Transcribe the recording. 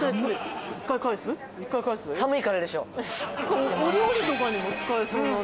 これお料理とかにも使えそうなね。